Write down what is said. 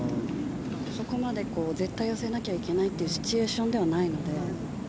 そこまで絶対寄せなきゃいけないというシチュエーションではないので。